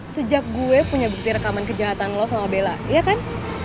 sejak gue punya bukti rekaman kejahatan lo sama bella iya kan